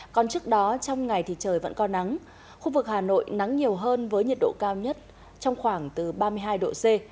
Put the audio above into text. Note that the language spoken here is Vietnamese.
còn trước đó trong ngày thì trời vẫn có nắng khu vực hà nội nắng nhiều hơn với nhiệt độ cao nhất trong khoảng từ ba mươi hai độ c